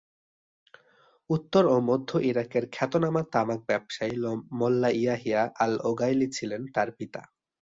উত্তর ও মধ্য ইরাকের খ্যাতনামা তামাক ব্যবসায়ী মোল্লা ইয়াহিয়া আল-ওগাইলি ছিলেন তার পিতা।